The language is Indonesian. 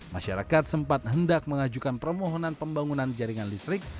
masyarakat sempat hendak mengajukan permohonan pembangunan jaringan listrik